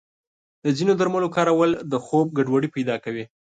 د ځینو درملو کارول د خوب ګډوډي پیدا کوي.